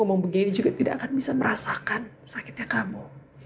ngomong begini juga tidak akan bisa merasakan sakitnya kamu